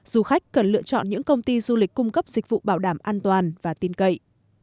du khách cần lựa chọn những công ty du lịch cung cấp dịch vụ bảo đảm an toàn và tin cậy